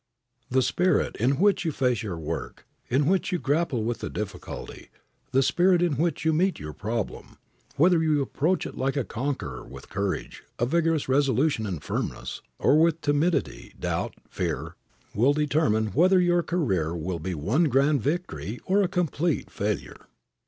The spirit in which you face your work, in which you grapple with a difficulty, the spirit in which you meet your problem, whether you approach it like a conqueror, with courage, a vigorous resolution, with firmness, or with timidity, doubt, fear, will determine whether your career will be one grand victory or a complete failure.